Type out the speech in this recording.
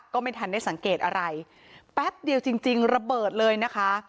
ก็ไม่ทันได้สังเกตอะไรแป๊บเดียวจริงจริงระเบิดเลยนะคะ